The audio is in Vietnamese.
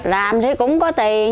làm thì cũng có tiền